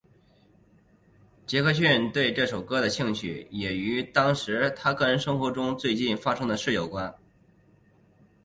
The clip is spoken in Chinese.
杰克逊对这首歌的兴趣也与当时他个人生活中最近发生的事有关。